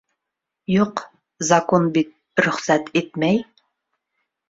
Юҡ, закун бит рөхсәт итмәй.